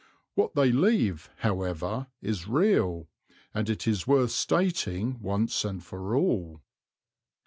What they leave, however, is real; and it is worth stating once and for all.